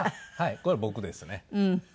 これ僕ですね。